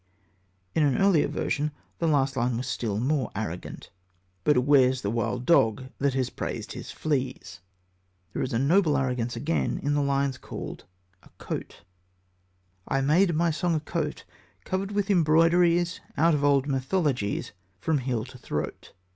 In an earlier version, the last line was still more arrogant: But where's the wild dog that has praised his fleas? There is a noble arrogance again in the lines called A Coat: I made my song a coat, Covered with embroideries, Out of old mythologies, From heel to throat.